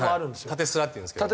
縦スラって言うんですけど。